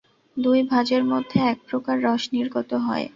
দুই ভাঁজের মধ্যে এক প্রকার রস নির্গত হয়।